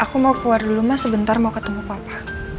aku mau keluar dulu mas sebentar mau ketemu papa